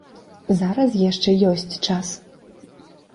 Зараз яшчэ ёсць час.